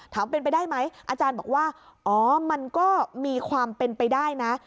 ถามเป็นไปได้ไหมอาจารย์บอกว่าอ๋อมันก็มีความเป็นไปได้นะ